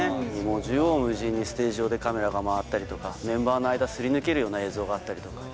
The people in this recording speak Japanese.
縦横無尽にステージ上でカメラが回ったりとか、メンバーの間をすり抜けるような映像があったりとか。